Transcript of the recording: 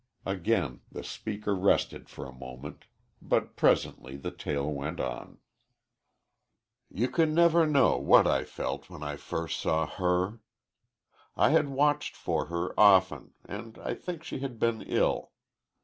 Again the speaker rested for a moment, but presently the tale went on. "You can never know what I felt when I first saw her. I had watched for her often, and I think she had been ill.